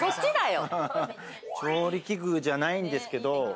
調理器具じゃないんですけれども。